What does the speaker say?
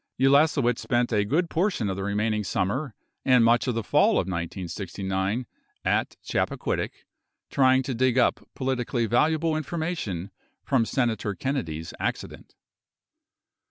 Ulasewicz spent a good portion of the remaining summer and much of the fall of 1969 at Chappaquiddick trying to dig up politically valuable information from Senator Kennedy's accident.